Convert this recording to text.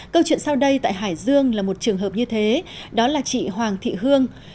câu chuyện sau đây tại hải dương là một trường hợp như thế đó là chị hoàng thị hương